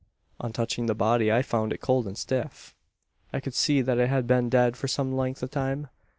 "On touching the body, I found it cold and stiff. I could see that it had been dead for some length of time.